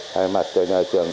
thay mặt cho nhà trường